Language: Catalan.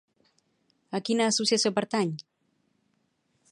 A quina associació pertany?